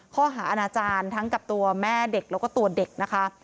ข้อหาอาณาจารย์ทั้งกับตัวแม่เด็กแล้วก็ตัวเด็กนะคะ